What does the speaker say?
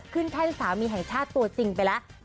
แท่นสามีแห่งชาติตัวจริงไปแล้ว